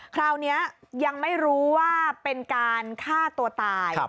คราวนี้ยังไม่รู้ว่าเป็นการฆ่าตัวตาย